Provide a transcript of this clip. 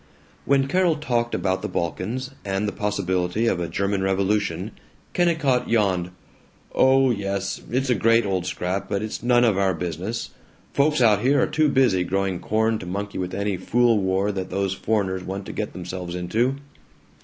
When Carol talked about the Balkans, and the possibility of a German revolution, Kennicott yawned, "Oh yes, it's a great old scrap, but it's none of our business. Folks out here are too busy growing corn to monkey with any fool war that those foreigners want to get themselves into."